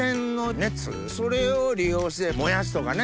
それを利用してもやしとかね